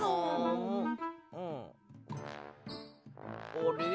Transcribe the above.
あれ？